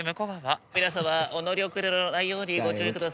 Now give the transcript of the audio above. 皆様お乗り遅れのないようにご注意ください。